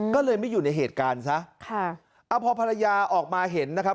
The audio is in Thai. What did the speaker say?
ก็เลยไม่อยู่ในเหตุการณ์ซะค่ะเอาพอภรรยาออกมาเห็นนะครับ